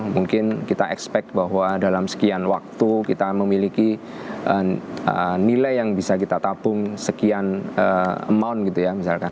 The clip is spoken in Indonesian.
mungkin kita expect bahwa dalam sekian waktu kita memiliki nilai yang bisa kita tabung sekian amount gitu ya misalkan